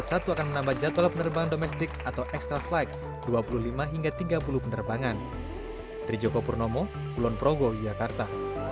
sampai jumpa di video selanjutnya